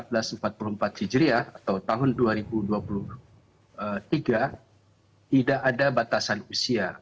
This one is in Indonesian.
di seribu empat ratus empat puluh empat c a atau tahun dua ribu dua puluh tiga tidak ada batasan usia